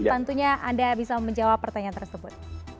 tentunya anda bisa menjawab pertanyaan tersebut